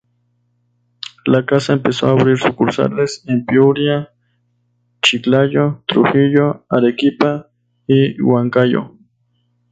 La casa empezó a abrir sucursales en Piura, Chiclayo, Trujillo, Arequipa y Huancayo.